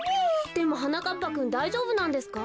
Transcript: でもはなかっぱくんだいじょうぶなんですか？